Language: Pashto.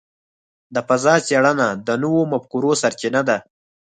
د فضاء څېړنه د نوو مفکورو سرچینه ده.